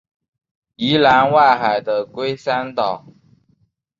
宜兰外海的龟山岛